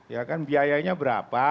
ya kan biayanya berapa